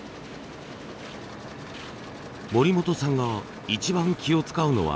森本さんが一番気を遣うのはここ。